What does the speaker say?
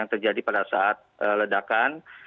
terjadi pada saat ledakan